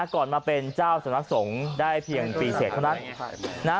ก่อนมาเป็นเจ้าสำนักสงฆ์ได้เพียงปีเสร็จเท่านั้นนะ